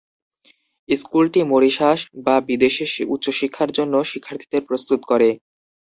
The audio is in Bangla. স্কুলটি মরিশাস বা বিদেশে উচ্চশিক্ষার জন্য শিক্ষার্থীদের প্রস্তুত করে।